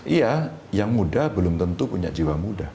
iya yang muda belum tentu punya jiwa muda